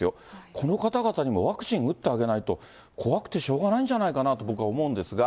この方々にもワクチン打ってあげないと、怖くてしょうがないんじゃないかなと、僕は思うんですが。